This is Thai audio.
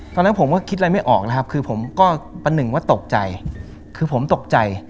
ตอนนั้นผมก็คิดอะไรไม่ออกนะครับคือผมก็ประหนึ่งว่าตกใจคือผมตกใจ